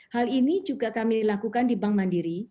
hal ini juga kami lakukan di bank mandiri